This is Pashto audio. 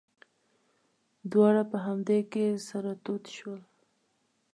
دواړه په همدې کې سره تود شول.